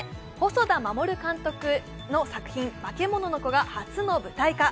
細田守監督の作品、「バケモノの子」が発表の舞台化。